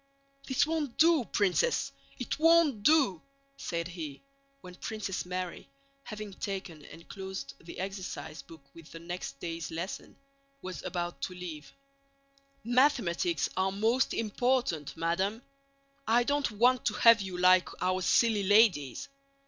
"This won't do, Princess; it won't do," said he, when Princess Mary, having taken and closed the exercise book with the next day's lesson, was about to leave: "Mathematics are most important, madam! I don't want to have you like our silly ladies.